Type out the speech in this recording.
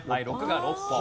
６が６本。